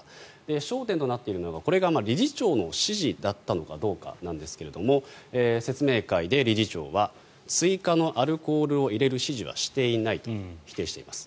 焦点となっているのがこれが理事長の指示だったのかどうかですが説明会で理事長は追加のアルコールを入れる指示はしていないと否定しています。